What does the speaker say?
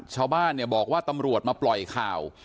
ชาวบ้านเนี่ยบอกว่าตำรวจมาปล่อยข่าว